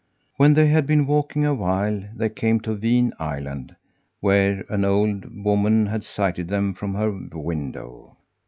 When they had been walking a while they came to Vin Island, where an old woman had sighted them from her window.